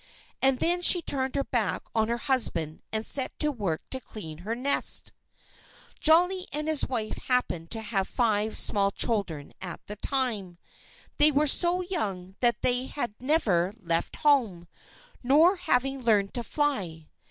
And then she turned her back on her husband and set to work to clean her nest. Jolly and his wife happened to have five small children at the time. They were so young that they had never left home, not having learned to fly.